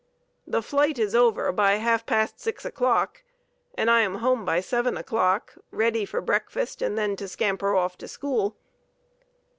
The flight is over by half past six o'clock and I am home by seven o'clock ready for breakfast and then to scamper off to school.